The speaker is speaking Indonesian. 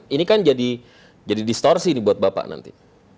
ini kan jadi distorsi nih buat bapak nanti